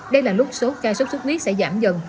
đây là lúc số ca sốt sốt khuyết sẽ giảm dần